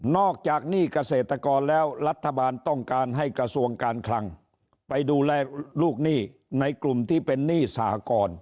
อกจากหนี้เกษตรกรแล้วรัฐบาลต้องการให้กระทรวงการคลังไปดูแลลูกหนี้ในกลุ่มที่เป็นหนี้สหกร